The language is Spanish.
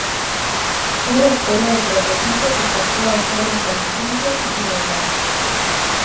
Salió despedido del prototipo y calló al suelo inconsciente y sin el casco.